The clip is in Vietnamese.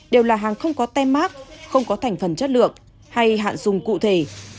đều là hàng không có tem mát không có thành phần chất lượng hay hạn dùng cụ thể